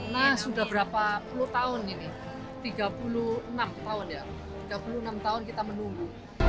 nah sudah berapa puluh tahun ini tiga puluh enam tahun ya tiga puluh enam tahun kita menunggu